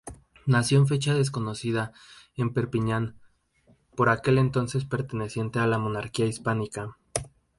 Nació en fecha desconocida en Perpiñán, por aquel entonces perteneciente a la Monarquía Hispánica.